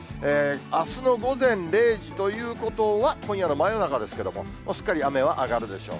あすの午前０時ということは、今夜の真夜中ですけども、すっかり雨は上がるでしょう。